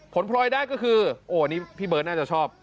พลอยได้ก็คือโอ้นี่พี่เบิร์ตน่าจะชอบ